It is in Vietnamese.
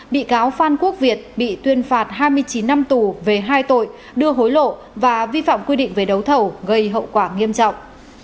bị cáo phan quốc việt bị tuyên phạt hai mươi chín năm tù về hai tội đưa hối lộ và vi phạm quy định về đấu thầu gây hậu quả nghiêm trọng